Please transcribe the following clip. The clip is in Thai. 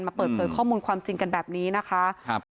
เปิดเผยข้อมูลความจริงกันแบบนี้นะคะครับ